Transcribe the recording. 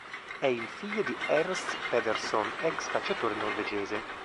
È il figlio di Ernst Pedersen, ex calciatore norvegese.